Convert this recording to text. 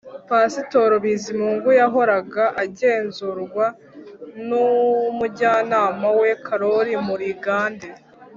pasitori bizimungu wahoraga agenzurwa n'«umujyanama» we karoli muligande